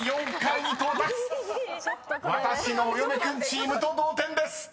［わたしのお嫁くんチームと同点です］